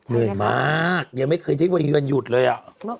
เหนื่อยมากยังไม่เคยได้วันเยือนหยุดเลยอ่ะ